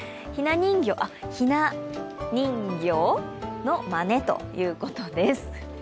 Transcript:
ひな人形のまねということです。